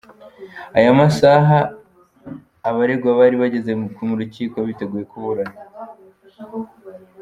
Aya masaha abaregwa bari bageze mu rukiko biteguye kuburana.